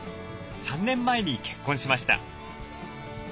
３年前に結婚しました。